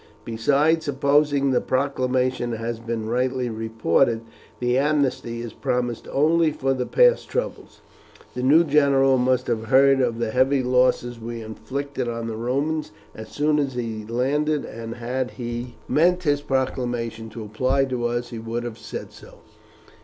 Besides, supposing the proclamation has been rightly reported, the amnesty is promised only for the past troubles. The new general must have heard of the heavy losses we inflicted on the Romans as soon as he landed, and had he meant his proclamation to apply to us he would have said so.